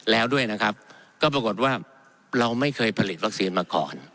แล้วด้วยนะครับก็ปรากฏว่าเราไม่เคยผลิตวัคซีนมาก่อน